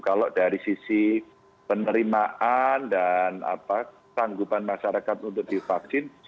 kalau dari sisi penerimaan dan tanggupan masyarakat untuk divaksin